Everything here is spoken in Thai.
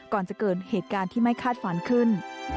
ก่อนจะเกิดเหตุการณ์ที่ไม่คาดฝันขึ้น